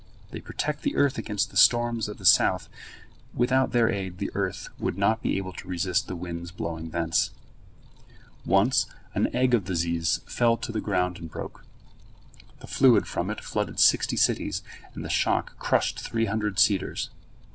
They protect the earth against the storms of the south; without their aid the earth would not be able to resist the winds blowing thence. Once an egg of the ziz fell to the ground and broke. The fluid from it flooded sixty cities, and the shock crushed three hundred cedars.